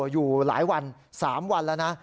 อยู่หลายวัน๓วันแล้วนะ